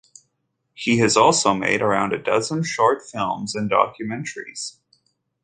He has also made around a dozen short films and documentaries.